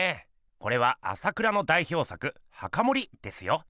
これは朝倉の代表作「墓守」ですよ。